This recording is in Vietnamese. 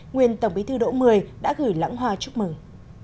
nguyên tổng bí thư đỗ mười đã gửi lãng hoa chúc mừng